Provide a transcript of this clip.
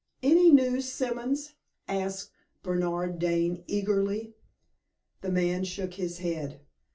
"Any news, Simons?" asked Bernard Dane, eagerly. The man shook his head.